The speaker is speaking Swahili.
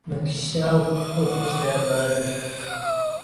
na kisha au kuchukua fursa ya baadhi